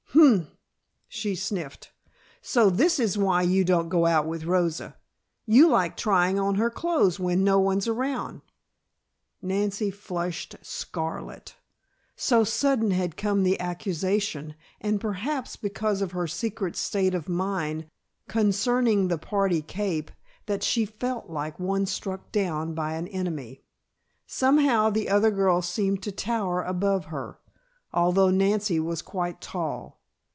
"Humph!" she sniffed. "So this is why you don't go out with Rosa; you like trying on her clothes when no one's around!" Nancy flushed scarlet. So sudden had come the accusation, and perhaps because of her secret state of mind concerning the party cape, that she felt like one struck down by an enemy. Somehow the other girl seemed to tower above her, although Nancy was quite tall.